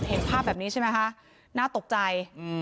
เห็นภาพแบบนี้ใช่ไหมคะน่าตกใจ